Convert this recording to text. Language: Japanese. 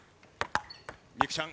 美空ちゃん。